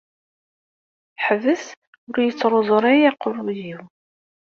Ḥbes ur yi-ttṛuẓu ara aqeṛṛuy-iw.